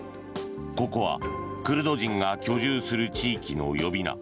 ここはクルド人が居住する地域の呼び名